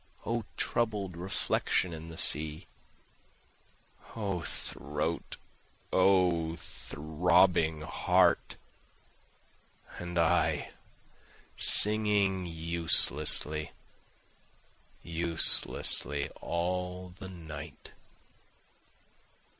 O troubled reflection in the sea! O throat! O throbbing heart! And I singing uselessly, uselessly all the night.